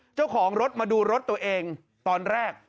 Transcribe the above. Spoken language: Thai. เจ้าของรถมาดูรถตัวเองตอนแรก